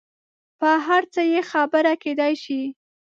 پر هر څه یې خبره کېدای شي.